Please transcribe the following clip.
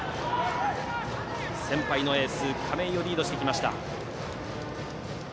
先輩のエース亀井をリードしてきました。